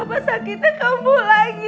bapak sakitnya kembuh lagi